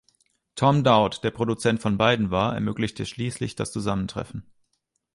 Tom Dowd, der Produzent von beiden war, ermöglichte schließlich das Zusammentreffen.